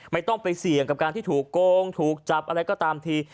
ไม่ต้องไปเสี่ยงกับการที่ถูกโกงถูกจับอะไรก็ตามที